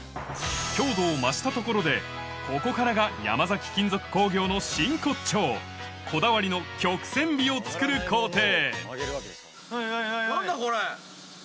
強度を増したところでここからが山崎金属工業の真骨頂こだわりの曲線美を作る工程